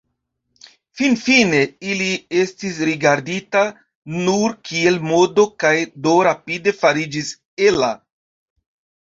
Finfine, ili estis rigardita nur kiel modo kaj do rapide fariĝis ela.